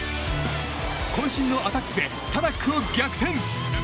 渾身のアタックでタナックを逆転。